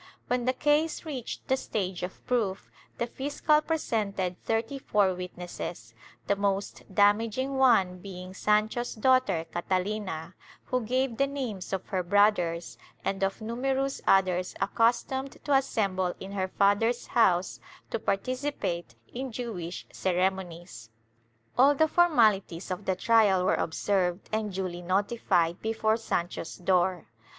When the case reached the stage of proof, the fiscal presented thirty four witnesses — the most damaging one being Sancho's daughter Catalina, who gave the names of her brothers and of numerous others accustomed to assemble in her father's house to participate in Jewish ceremonies. All the formalities of the trial were observed and duly notified before Sancho's door.